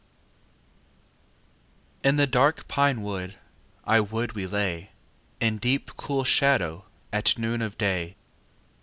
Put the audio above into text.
XX In the dark pine wood I would we lay, In deep cool shadow At noon of day.